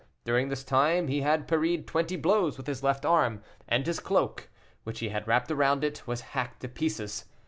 During this time he had parried twenty blows with his left arm, and his cloak, which he had wrapped round it, was hacked to pieces.